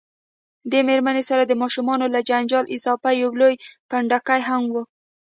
دې میرمنې سره د ماشومانو له جنجاله اضافه یو لوی پنډکی هم و.